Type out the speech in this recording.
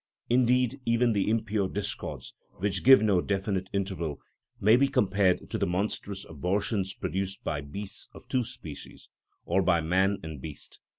Indeed, even the impure discords, which give no definite interval, may be compared to the monstrous abortions produced by beasts of two species, or by man and beast.